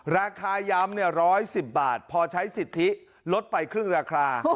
ราคาย้ำ๑๑๐บาทพอใช้สิทธิลดไปครึ่งราคา